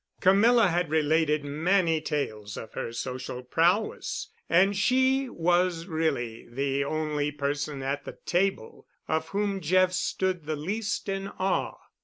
Camilla had related many tales of her social prowess, and she was really the only person at the table of whom Jeff stood the least in awe.